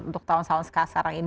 untuk tahun tahun sekarang ini